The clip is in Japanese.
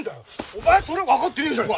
お前それ分かってねえじゃん。